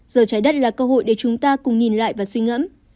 giờ trái đất là cơ hội để chúng ta cùng nhìn lại và suy ngẫm